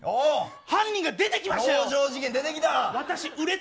犯人が出てきました。